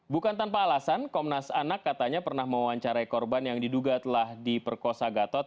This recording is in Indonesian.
bukan tanpa alasan komnas anak katanya pernah mewawancarai korban yang diduga telah diperkosa gatot